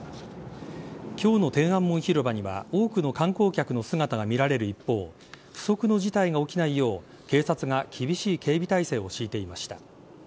今日の天安門広場には多くの観光客の姿が見られる一方不測の事態が起きないよう警察が厳しい警備態勢を敷いていました。